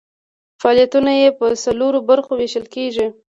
فعالیتونه یې په څلورو برخو ویشل کیږي.